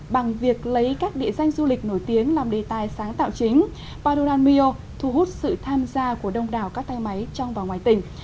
bằng việc lấy các địa danh du lịch nổi tiếng làm đề tài sáng tạo chính pardorammio thu hút sự tham gia của đông đảo các tay máy trong và ngoài tỉnh